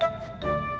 kamu mau ke rumah